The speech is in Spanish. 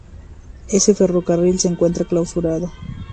Ese ferrocarril se encuentra clausurado.